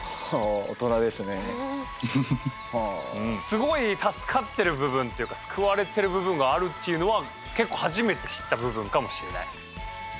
すごい助かってる部分っていうか救われてる部分があるっていうのは結構はじめて知った部分かもしれない。